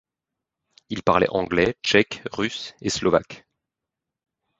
Il parlait anglais, tchèque, russe et slovaque.